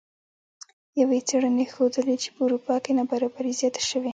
یوې څیړنې ښودلې چې په اروپا کې نابرابري زیاته شوې